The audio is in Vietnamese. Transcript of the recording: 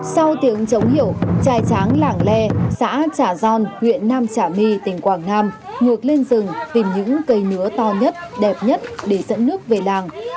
sau tiếng chống hiểu trái tráng làng le xã trả giòn huyện nam trả my tỉnh quảng nam ngược lên rừng tìm những cây nứa to nhất đẹp nhất để dẫn nước về làng